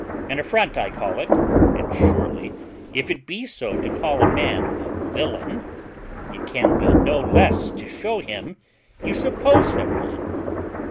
An affront I call it, and surely, if it be so to call a man a villain, it can be no less to shew him you suppose him one.